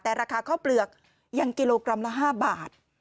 แต่ราคาข้าวเปลือกยังกิโลกรัมละ๕บาท